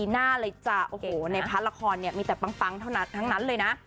ในพลาดละครมีแต่ปังเท่านั้นทั้งนั้นเลยนะ